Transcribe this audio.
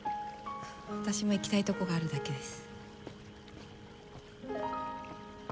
私も行きたいとこがあるだけです。